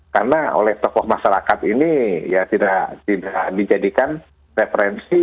karena oleh tokoh masyarakat ini ya tidak dijadikan referensi